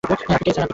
আপনি কে, স্যার?